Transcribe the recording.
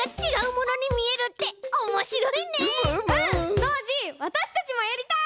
ノージーわたしたちもやりたい！